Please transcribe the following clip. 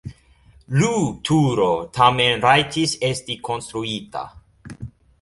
Lu turo tamen rajtis esti konstruita.